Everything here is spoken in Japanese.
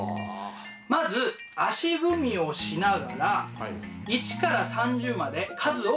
まず足踏みをしながら１から３０まで数を数えていきます。